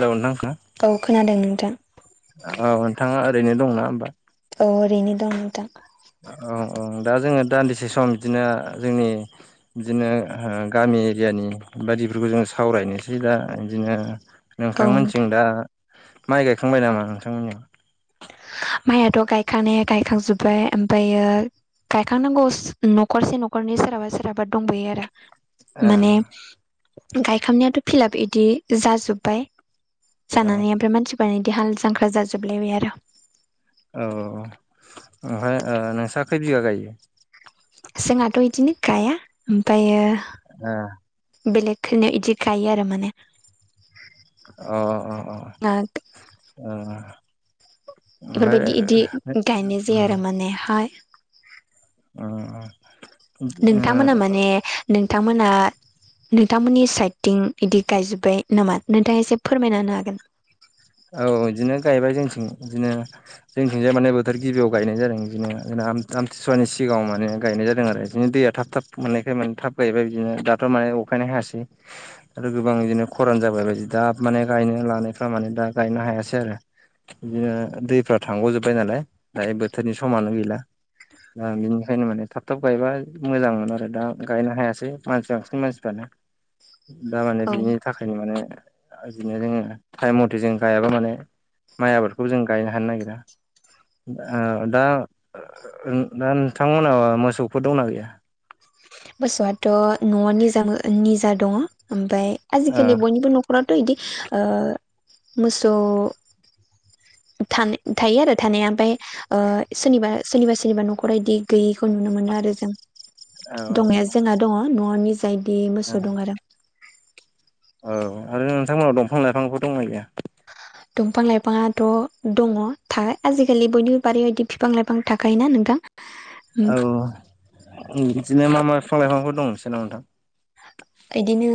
Hello नोंथां खोना औ खोनादों नोंथां। औ नोंथाङा ओरैनो दंना होमबा? औ ओरैनो दं नोंथां। औ औ दा जोङो दान्दिसे सम बिदिनो जोंनि बिदिनो ओ गामि एरियानि बायदिफोरखौ जों सावरायनोसै दा इदिनो औ नोंथां नोंथांमोनथिं दा माइ गायखांबाय नामा नोंथांमोननियाव? माइयाथ' गायखांनाया गायखांजोब्बाय। ओमफायो गायखांनांगौस न'खरसे न'खरनै सोरहाबा सोरहाबा दंबायो आरो। ए माने गायखांनायाथ' फिलाब इदि जाजोब्बाय। औ जानानै ओमफ्राय मानसिफोरानोदि हाल जांख्रा जाजोबलायबाय आरो। औ ओमफाय ओ नोंस्रा खै बिगा गायो? जोंहाथ' इदिनो गाया। ओमफायो ओ बेलेगखोनो इदि गायो आरो माने। अ अ अ अ ओ। ओमफ्राय एफोरबायदि इदि गायनाय जाया आरो माने हाय ओ ओ। नोंथांमोना माने नोंथांमोना नोंथांमोननि साइटथिं इदि गायजोब्बाय नामा नोंथाङा एसे फोरमायना होनो हागोन ना? औ इदिनो गायबाय जोंथिं इदिनो जोंथिंजाय माने बोथोर गिबियाव गायनाय जादों इदिनो जोंना आम-आमथिसुवानि सिगाङाव माने गायनाय जादों आरो। इदिनो दैया थाब थाब मोननायखाय माने थाब गायबाय बिदिनो दाथ' माने अखायै हायासै। आरो गोबां इदिनो खरान जाबाय बायदि दाब माने गायनो लानायफ्रा माने दा गायनो हायासै आरो। इदिनो दैफ्रा थांग'जोबबाय नालाय दायो बोथोरनि समानो गैला। दा बेनिखायनो माने थाब थाब गायबा मोजां मोन आरो। दा गायनो हायासै मानसि बांसिन मानसिफ्रानो। दा औ माने बिनि थाखायनो माने दा इदिनो जोङो टाइम मथे जों गायाबा माने माइ आबादखौ जों गायनो हानो नागिरा। दा दा नोंथांमोनहा मोसौफोर दंना गैया? मोसौआथ' न'आ निज निजा दङ, ओमफ्राय आजिखालि ओ बयनिबो न'खर न'खरथ' बिदि ओ मोसौ थायो आरो थानाया, ओमफ्राय सोरनिबा सोरनिबा सोरनिबा न'खर इदि गैयैखौ नुनो मोनो आरो जों, दंनाया जोंना दङ न'आव निजायदि मोसौ दं आरो। औ आरो नोंथांमोनहा दंफां लाइफांफोर दंना गैया? दंफां लाइफाङाथ' दङ, आजिखालि बयनिबो बारि बायदि बिफां लाइफां थाखायायोना नोंथां? औ बिदिनो मा मा फां लाइफांफोर दंसै नोंसोरनाव नोंथां? इदिनो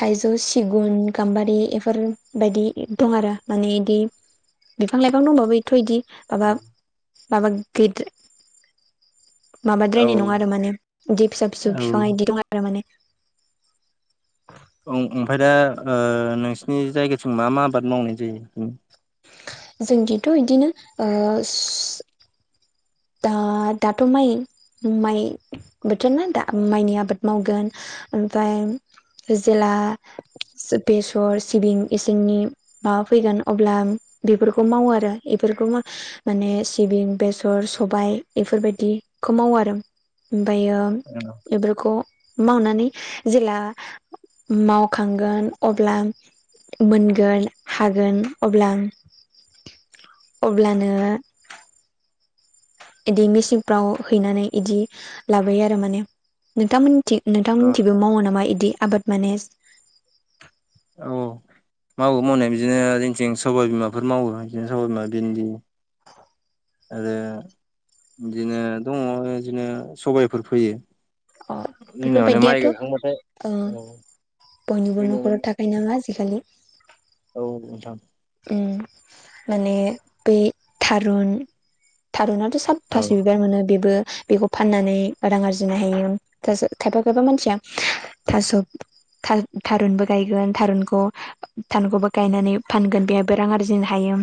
थाइजौ सिगुन गाम्बारि बेफोरबायायदि दं आरो, माने बिदि बिफां लाइफां दंबाबो एथ' बिदि माबा माबा गिदि औ माबाद्रायनाय नङा आरो माने बिदि फिसा फिसौ औ बिफां बिदि दं आरो माने। औ ओमफफ्राय दा ओ नोंसिनि जायगाथिं मा मा आबाद मावनाय जायो? जोंनिथ' बिदिनो ओ दा दाथ' माइ माइ बोथोरना दा माइनि आबाद मावगोन। ओमफफ्राय जेला बेसर सिबिं इसोरनि माबा फैगोन अब्ला बेफोरखौ मावो आरो बेफोरखौ माने सिबिं बेसर सबाय बेफोरबायदिखौ मावो आरो। ओमफ्रायो बेफोरखौ मावनानै जेब्ला मावखांगोन अब्ला मोनगोन हागोन अब्ला अब्लानो बिदि मेचिनफ्राव हैनानै इदि लाबोयो आरो माने, नोंथांमोननि थि नोंथांमोननिथिबो मावो नामा बिदि आबाद माने औ मावो मावनाय बिदिनो ओथिं सबाइ बिमाफोर मावो, बिदिनो सबाइ बिमा भिन्दि आरो बिदिनो दङ बिदिनो सबायफोर फैयो। अ जोंनिया बेफोर माने माइ बायदियाथ' गायखांबाथाय औ बयनि जोंनियाव नखर माने थ गाय नामा आजिखालि औ नोंथां। उम माने बे थारुन थारुनाथ' साब औ थास' बिबार मोनो बेबो बेखब फाननानै रां आरजिनो हायो थास' खायफा खायफा मानसिया थास' था-थारुनबो गायगोन थारुनखौ थारुनखौबो गायनानै फानगोन। बेहायबो रां आरजिनो हायो,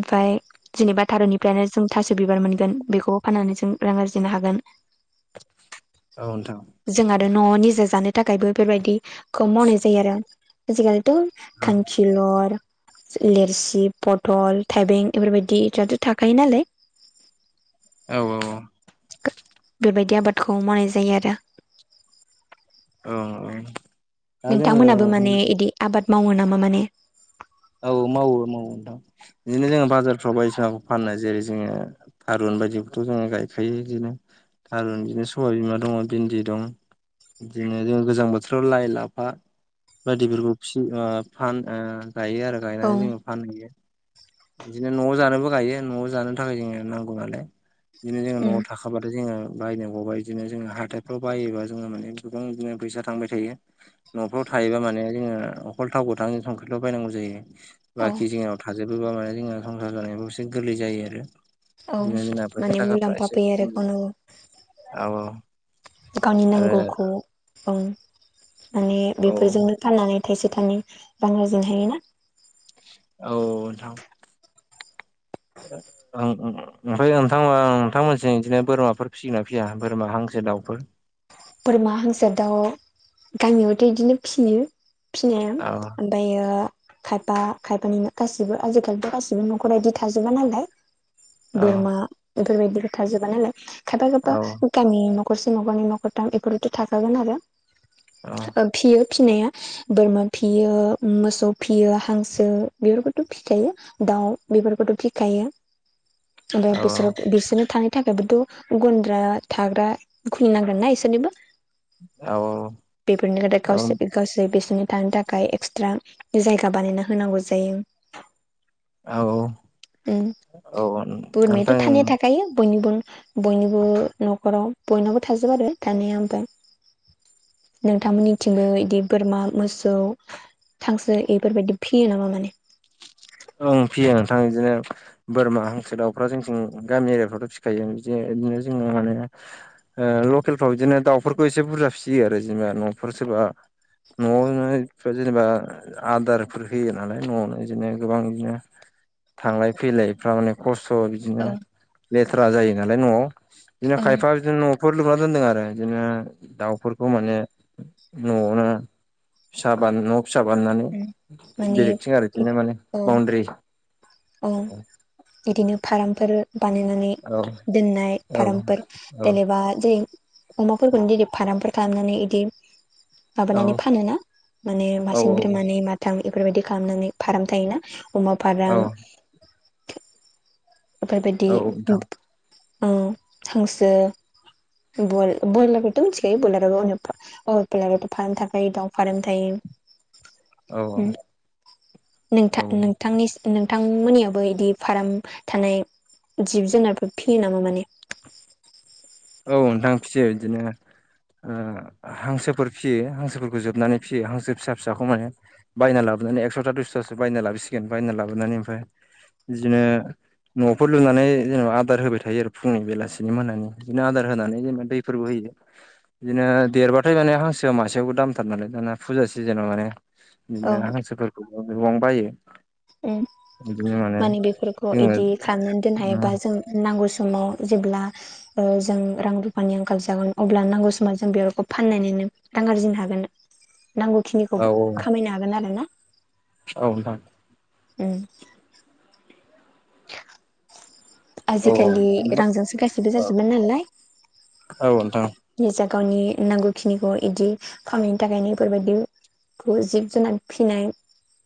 ओमफाय जेनेबा थारुननिफ्रायानो जों थास' बिबार मोनगोन बेखौबो फाननानै जों रां आरजिनो हागोन। औ नोंथां। जों आरो न'आव निजा जानो थाखायबो बेफोरबायदिखौ मावनाय जायो आरो। आजिखालिथ' औ खांखिलर लिरसि पटल थाइबें एफोरबायदियाथ थाखायो नालाय। औ औ। बेबायदि आबादखौ मावनाय जायो आरो। औ ओं। नोंथांमोनहाबो माने इदि आबाद मावो नामा माने? औ मावो मावो नोंथां बिदिनो जोङो बाजारफ्रावबो बायदिसिनाखौ फानाय जायो, जेरै जोङो थारुन बायदिखौथ' जोङो गायखायो इदिनो। थारुन बे सबाय बिमा दङ भिन्दि दं। बिदिनो जों गोजां बोथोराव लाइ लाफा बायदिफोरखौ फिसियो ओ फान ओ गायो आरो औ गायनानै जोङो फानहैयो। बिदिनो न'आव जानोबो गायो न'आव जानो थाखाय जोङो नांगौ नालाय। बिदिनो जोङो उम न'आव थाख आबादा जोङो बायनो गिबाय बिदिनो जोङो हााइफ्राव बायोबा जोङो माने गोबां बिदिनो फैसा थांबाय थायो। न'फ्राव थायोबा माने जोङो अखल थाव गोथां जों संख्रिल' बायनांगौ जायो। औ बाखि जोंनाव थाजोबोबा माने जोंहा संसार जानायफ्राव एसे गोरलै जायो आरो। औ बिदिनो जोंना फैसा माने थाखाफ्रा मुलाम्फा एसे फैयो आरो खम जायो। गावनो औ औ गाव। गावनि आरो नांगौखौ औ माने औ बेफोरजोंनो फाननानै थाइसे थाइनै रां आरजिनो हायो ना। औ नोंथां ओं ओं ओमफ्राय नोंथां आं नोंथांमोनसि बिदिनो बोरमाफोर फिसिगोनना फिया बोरमा हांसो दाउफोर। बोरमा हांसो दाव गामियावथ' इदिनो फियो फिनाया। औ बायो खायफा खायफानिनो गासिबो आजिखालिथ' गासिबो न'खर बिदि थाजोबा नालाय। औ बोरमा बेफोरबायदिबो थाजोबा नालाय खायफा खायफा औ गामि न'खरसे न'खरनि न'खरथाम बेफोरावथ' थाखागोन आरो औ ओ फियो फिसिनाया बोरमा फियो मोसौ फियो हांसो बेफोरखौथ' फिखायो। दाउ बेफोरखौथ' फिखायो ओमफ्राय औ बिसोर बिसोरनो थानाय थाखायबोथ' गन्द्रा थाग्रा खुलिनांगोन ना इसोरनिबो बेफोरनि थाखाय दा औ [unintelligible] गावसोर बिसोरनि थानो थाखाय एक्सट्रा जायगा बानायना होनांगौ जायो। औ उम औ बोरमायाथ' नोंथां थानाया थाखायो बयनिबो बयनिबो न'खराव बयनावबो थाजोबा आरो दानिया ओमफाय नोंथांमोननिथिंबो इदि बोरमा मोसौ थांसो बेफोरबायदि फियो नामा माने? ओं फियो नोंथां इदिनो बोरमा हांसो दाउफ्रा जोंथिं गामि एरियाफ्रावथ' फिखायो बिदि बिदिनो जोङो माने ओ लकेलफ्राव इदिनो दाउफोरखौ एसे बुरजा फिसियो आरो जेनेबा न'फोर सोरबा न'आवनो जेनेबा आदारफोर होयो नालाय न'आवनो इदिनो गोबां बिदिनो थांलाय फैलायफ्रा माने खस्थ' बिदिनो औ लेथ्रा जायो नालाय न'आव बिदिनो औ खायफा बिदिनो न' फोर लुना दोन्दों आरो इदिनो दाउफोरखौ माने न'आवनो फिसा बाना न' फिसा बानायनानै माने बेलेगथिं आरो इदिनो माने बाउनद्रि अ बिदिनो फारामफोर बानायनानै दोननाय औ औ फारामफोर औ देनेबा जे अमाफोरखौनो दिनि फारामफोर खालामनानै इदि औ माबानानै फानो ना माने औ मासेनफ्राय मानै माथाम इफोरबायदि खालामनानै फाराम थायोना अमा औ फाराम फोरबायदि औ नोंथां अ हांसो बयल बयलारखोथ' मिथिखायो बयलाराबो गावनियाब फा अ बयलाराथ' फार्म थाखायो दाउ फाराम थायो [inaudible] उ औ नोंथा नों थांनि नोंथांमोननियाबो इदि फाराम थानाय जिब जुनारफोर फियो नामा माने? औ नोंथां फिसियो इदिनो ओ हांसोफोर फियो हांसोफोरखौ जोबनानै फियो हांसो फिसा-फिसाखौ माने बायना लाबोनानै एकस'ता दुइस'तासो बायना लाबोसिगोन बायना लाबोनानै ओमफ्राय बिदिनो न'फोर लुनानै नेबा आदार होबाय थायो आरो फुंनि बेलासिनि मोनानि। बिदिनो आदार होनानै जेनबा दैफोरबो होयो बिदिनो देरबाथाय माने हांसोआ मासेयावबो दामथार नालाय दाना फुजा सिजोनाव माने औ बिदिनो हांसोफोरखौबो गोबां बायो। उम माने बेफोरखौ जोङो इदि खालामनानै दोननो हायोबा जों नांगौ समाव जेब्ला ओ जों रां रुफानि आंखाल जागोन अब्ला नांगौ समाव जों बेफोरखौ फान्नानो दां आरजिनो हागोन औ नांगौखिनिखौ खामायनो हागोन आरो ना। औ नोंथां उम औ आजिखालि रांजोंसो गासिबो जाजोबो नालाय औ नोंथां निजा गावनि नांगौ खिनिखौ इदि खामायनो थाखायनो इफोरबायदि जिब जुनार फिनाय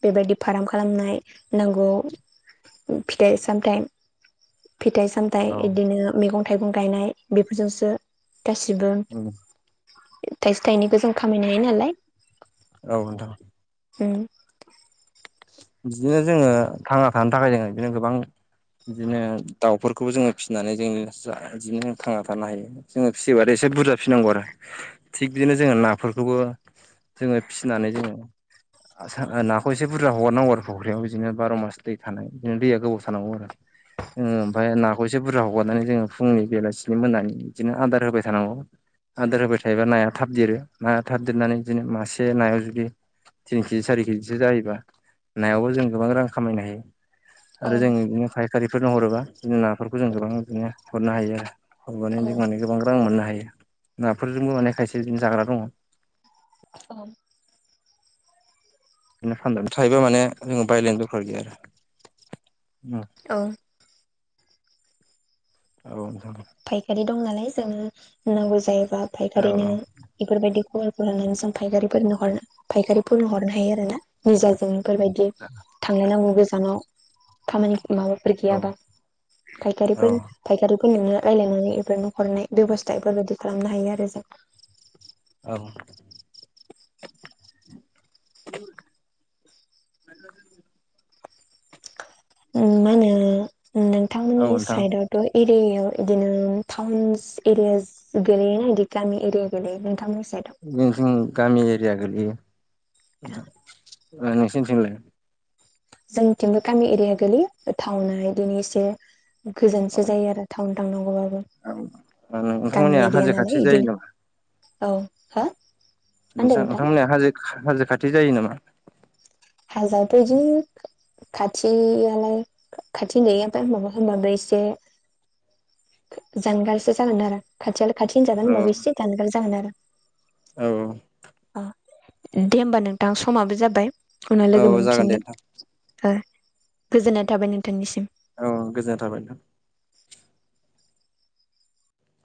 बेबायदि फाराम खालामनाय नांगौ फिथाइ सामथाइ फिथाइ औ सामथायाइ बिदिनो मैगं थाइगं गायनाय बेफोरजोंसो गासिबो थाइसे थाइनैखौ जों खामायनो हायो नालाय औ नोंथां ओम बिदिनो जोङो थांना थानो थाखाय जोङो बिदिनो गोबां बिदिनो दाउफोरखौबो जोङो फिनानै जोंङो बिदिनो थांना थानो हायो जोङो फिसिबाथाय आरो एसे बुरजा फिसिनांगौ आरो थिग बिदिनो जोङो नाफोरखौबो जोङो फिनानै जोङो ओ नाखौ एसे बुरजा हगारनांगौ आरो फ'ख्रियाव इदिनो बार' मास दै थानाय बिदिनो दैया गोबाव थानांगौ आरो ओ ओमफाय नाखौ एसे बुरजा हगारनानै जोङो फुंनि बेलासिनि मोनानि इदिनो आदार होबाय थानांगौ आदार होबाय थायोबा नाया थाब देरो नाया थाब देरनानै इदिनो मासे नाया जुदि तिन किजि सारि किजिसो जायोबा नायावबो जों गोबां रां खामायनो हायो औ आरो जों बेनिफ्राय फा खारिफोरनो हरोबा बिदिनो नाफोरखौ जों गोबां बिदिनो हरनो हायो आरो हरगानानै औ जों माने गोबां रां मोननो हायो नाफोरजोंबो माने खायसे इदिनो जाग्रा दङ अ थायोबा माने बायलायनो दरखार गैया आरो औ औ नोंथां फायखारि दं नालाय जोंङो नांगौ जायोबा फायखारिनो औ इफोरबायदि खलफोर लानानै जों फायखारिफोरनो हरनो फायखारिफोरनो हरनो हायो आरो ना निजा जों फोरबायदि बिदि थांलायनांगौ गोजानाव खामानि माबाफोर औ गैयाबा औ फायखारिफोर फायखारिफोरोनो रायलायनानै बेफोर न' हरनाय बेब'स्था बेफोरबायदि खालामनो हायो आरो जों औ मा होनो औ नोंथांमोननि नोंथां साइदआव थ' एरियायाव बिदिनो टाउन्स एरिया गेलेयोनादि गामि एरिया गेलेयो नोंथांमोननि साइदआव जोंनिथिं गामि एरिया गोलैयो नोंसोरनिथिंलाय जोंनिथिंबो गामि एरिया गोलैयो थावना बिदिनो एसे औ गोजोनसो जायो आरो थाउन थांनांगौबाबो गामि नोंथांमोननिया एरिया हाजो खाथि नालाय जायो बिदिनो नामा औ हा नोंथां नोंथांमोननिहा हाजो हाजो खाथि जायो नामा हाजोआथ' इदिनो खाथियालाय खाथि होनजायो ओमफाय बांद्राय एसे जानगारसो जागोन आरो खाथिलाय खाथि होनजागोन औ होनबाबो एसे जानगार जागोन आरो औ दे होमबा नोंथां समाबो जाबाय उनाव लोगो औ जागोन दे मोनफिनगोन नोंथां ओ गोजोननाय थाबाय नोंथांनिसिम औ गोजोननाय थाबाय नोंथां